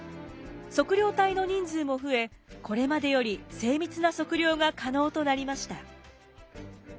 測量隊の人数も増えこれまでより精密な測量が可能となりました。